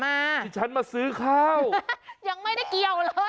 แบบนี้คือแบบนี้คือแบบนี้คือ